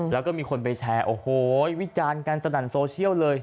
แล้วก็มีคนไปแชร์โอ้โหวิจารณ์กันสนั่นโซเชียลเลย